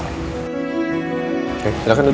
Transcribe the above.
oke silahkan duduk